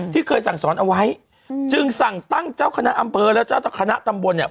ที่เคยสั่งสอนเอาไว้จึงสั่งตั้งเจ้าคณะอำเภอและเจ้าคณะตำบลเนี่ย